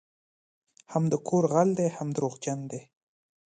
هم د کور غل دی هم دروغجن دی